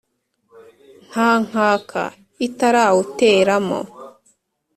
nta nkaka itarawuteramo